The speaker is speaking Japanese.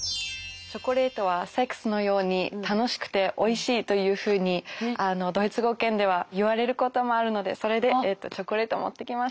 「チョコレートはセックスのように楽しくておいしい」というふうにドイツ語圏ではいわれることもあるのでそれでチョコレート持ってきました。